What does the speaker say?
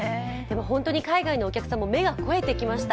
本当に海外のお客さんも目が肥えていきました。